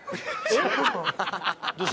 「そう」